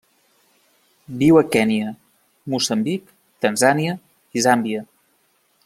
Viu a Kenya, Moçambic, Tanzània i Zàmbia.